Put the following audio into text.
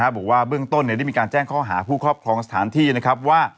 บอกว่าเบื้องต้นได้มีการแจ้งข้อหาผู้ครอบครองสถานที่นะครับว่า